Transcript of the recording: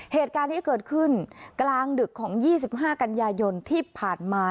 เหตุการณ์ที่เกิดขึ้นกลางดึกของ๒๕กันยายนที่ผ่านมา